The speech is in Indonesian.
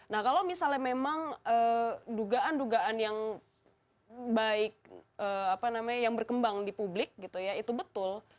nah kalau misalnya memang dugaan dugaan yang baik apa namanya yang berkembang di publik gitu ya itu betul